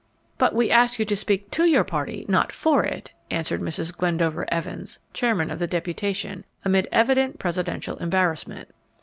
"But we ask you to speak to your party, not for it," answered Mrs. Glendower Evans, Chairman of the deputation, amid evident presidential embarrassment.